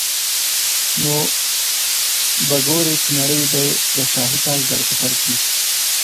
نو به ګورې چي نړۍ دي د شاهي تاج در پرسر کي